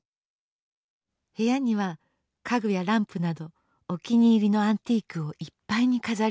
部屋には家具やランプなどお気に入りのアンティークをいっぱいに飾りました。